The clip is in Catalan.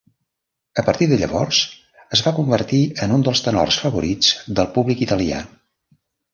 A partir de llavors es va convertir en un els tenors favorits del públic italià.